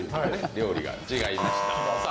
料理が違いましたさあ